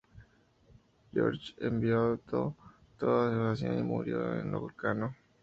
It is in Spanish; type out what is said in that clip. George evitó toda asociación, y murió en Locarno.